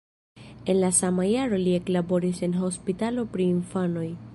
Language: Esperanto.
En la sama jaro li eklaboris en hospitalo pri infanoj.